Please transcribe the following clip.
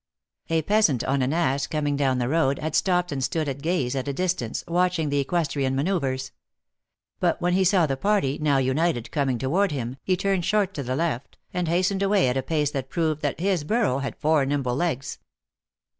A peasant on an ass, coming down the road, had stopped and stood at gaze at a distance, watching these equestrian manoeuvres. But when he saw the party, now united, coming toward him, he turned THE ACTRESS IN HIGH LIFE. 251 short to the left, and hastened away at a pace that proved that his lurro had four nimble legs.